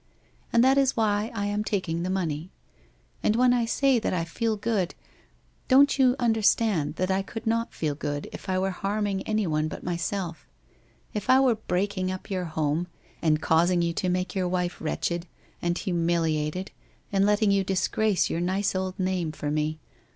And that is why I am taking the money. And when I say that I feel good, don't you understand that I could not feel good if I were harming anyone but myself — if I were breaking up your home and causing you to make your wife wretched, and humiliated, and letting you disgrace your nice old name for me.